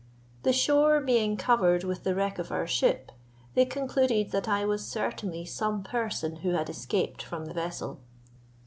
The shore being covered with the wreck of our ship, they concluded that I was certainly some person who had escaped from the vessel.